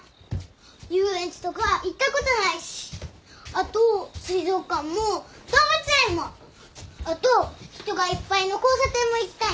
遊園地とか行ったことないしあと水族館も動物園もあと人がいっぱいの交差点も行きたいな。